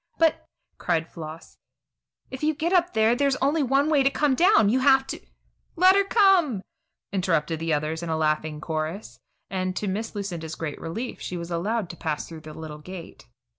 "But," cried Floss, "if you get up there, there's only one way to come down. You have to " "Let her come!" interrupted the others in laughing chorus, and, to Miss Lucinda's great relief, she was allowed to pass through the little gate.